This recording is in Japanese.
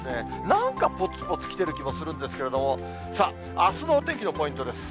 なんかぽつぽつきてる気もするんですけれども、さあ、あすのお天気のポイントです。